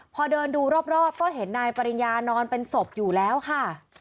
พอเดินดูรอบก็เห็นนายปริญญานอนเป็นศพอยู่แล้วค่ะ